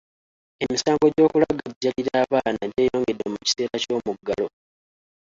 Emisango gy'okulagajjalira abaana gyeyongedde mu kiseera k'yomuggalo.